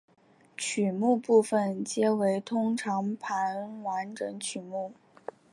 曲目部分皆为通常盘完整曲目。